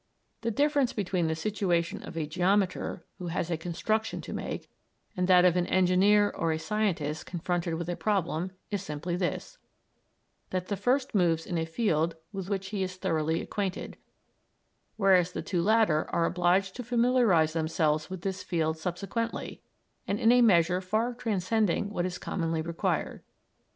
The difference between the situation of a geometer who has a construction to make, and that of an engineer, or a scientist, confronted with a problem, is simply this, that the first moves in a field with which he is thoroughly acquainted, whereas the two latter are obliged to familiarise themselves with this field subsequently, and in a measure far transcending what is commonly required.